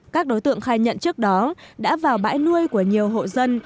các đối tượng khai nhận trước đó đã vào bãi nuôi của nhiều hộ dân